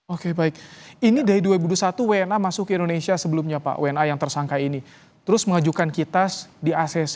oke baik ini dari dua ribu dua puluh satu wna masuk ke indonesia sebelumnya pak wna yang tersangka ini terus mengajukan kitas di acc